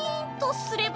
すれば？